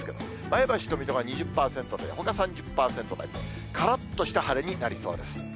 前橋と水戸が２０％で、ほか３０％台、からっとした晴れになりそうです。